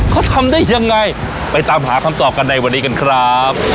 เขาทำได้ยังไงไปตามหาคำตอบกันในวันนี้กันครับ